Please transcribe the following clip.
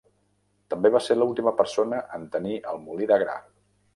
També va ser la última persona en tenir el molí de gra.